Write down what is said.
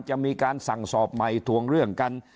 จะมีการสั่งสอบใหม่ทวงเรื่องกัน